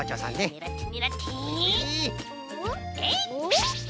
ねらってねらってえいっ！